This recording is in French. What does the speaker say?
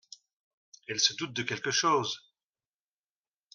Elle se doute de quelque chose !